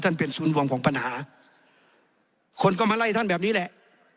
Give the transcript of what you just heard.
เป็นศูนย์รวมของปัญหาคนก็มาไล่ท่านแบบนี้แหละ